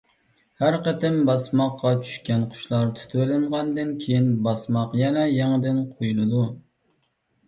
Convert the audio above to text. ھەر قېتىم باسماققا چۈشكەن قۇشلار تۇتۇۋېلىنغاندىن كېيىن، باسماق يەنە يېڭىدىن قويۇلىدۇ.